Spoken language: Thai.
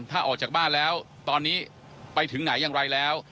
ถ้าออกจากบ้านแล้วตอนนี้ไปถึงไหนอย่างไรแล้ว